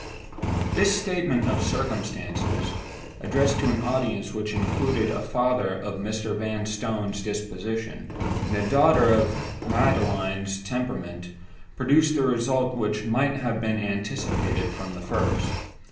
This statement of circumstances—addressed to an audience which included a father of Mr. Vanstone's disposition, and a daughter of Magdalen's temperament—produced the result which might have been anticipated from the first.